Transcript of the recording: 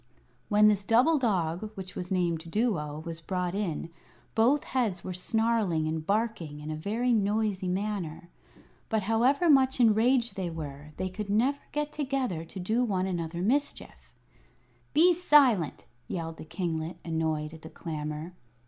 When this double dog, which was named Duo, was brought in, both heads were snarling and barking in a very noisy manner. But however much enraged they were, they could never get together to do one another mischief. "Be silent!" yelled the kinglet, annoyed at the clamor.